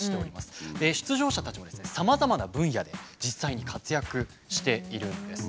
出場者たちもさまざまな分野で実際に活躍しているんです。